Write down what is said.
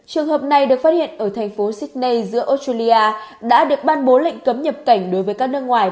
trường hợp này được phát hiện ở thành phố sydney giữa australia đã được ban bố lệnh cấm nhập cảnh đối với các nước ngoài